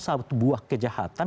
satu buah kejahatan